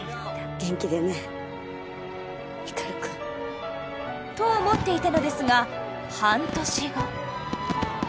元気でね光くん。と思っていたのですが半年後。